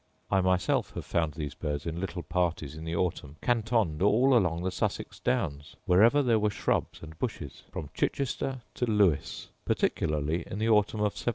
I myself have found these birds in little parties in the autumn cantoned all along the Sussex downs, wherever there were shrubs and bushes, from Chichester to Lewes; particularly in the autumn of 1770.